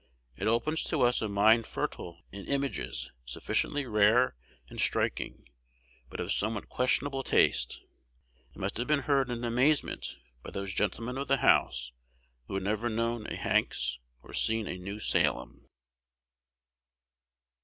It opens to us a mind fertile in images sufficiently rare and striking, but of somewhat questionable taste. It must have been heard in amazement by those gentlemen of the House who had never known a Hanks, or seen a New Salem.